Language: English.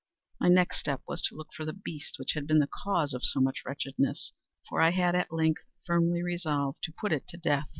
My next step was to look for the beast which had been the cause of so much wretchedness; for I had, at length, firmly resolved to put it to death.